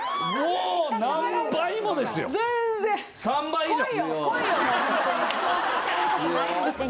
３倍以上。